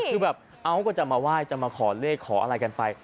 คือแบบเอาก็จะมาไหว้จะมาขอเลขขออะไรกันไป